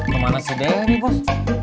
kemana si dewi bos